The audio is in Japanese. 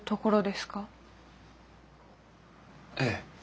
ええ。